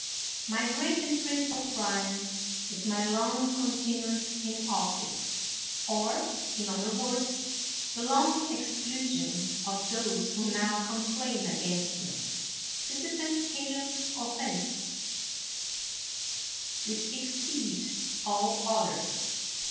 My great and principal crime is my long con tinuance in office; or, in other words, the long exclusion of those who now complain against me. This is the heinous offense which exceeds all oth ers.